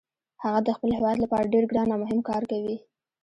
هغه د خپل هیواد لپاره ډیر ګران او مهم کار کوي